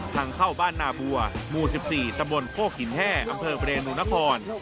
ทางเข้าบ้านนาบัวหมู่๑๔ตำบลโคกหินแห้อำเภอเรนูนคร